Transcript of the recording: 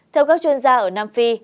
theo các chuyên gia ở nam phi